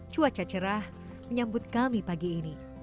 cuaca cerah menyambut kami pagi ini